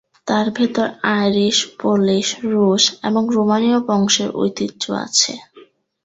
তাঁর ভেতর Irish, Polish, রুশ, এবং রোমানীয় বংশের ঐতিহ্য আছে।